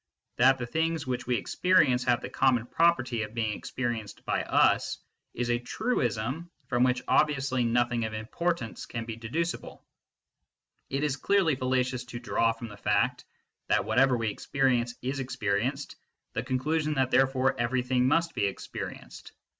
That the things which we experience have the common property of being ex perienced by us is a truism from which obviously nothing of importance can be deducible : it is clearly fallacious to draw from the fact that whatever we experience is experienced the conclusion that therefore everything must be experienced.